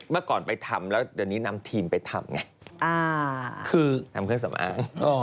เมื่อก่อนไปทำแล้วเดี๋ยวนี้นำทีมไปทำไงคือทำเครื่องสำอาง